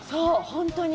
本当に。